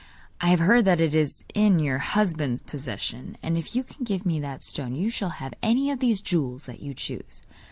I have heard that it is in your husband's possession, and if you can get me that stone you shall have any of these jewels that you choose.